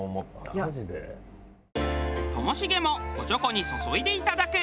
ともしげもお猪口に注いでいただく。